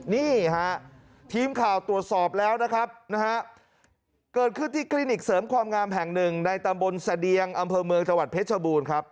นี่ฮะทีมข่าวตรวจสอบแล้วนะครับนะฮะเกิดขึ้นที่คลินิกเสริมความงามแห่งหนึ่งในตำบลเสดียงอำเภอเมืองจังหวัดเพชรบูรณ์ครับ